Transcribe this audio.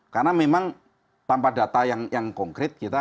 karena memang tanpa data yang konkret kita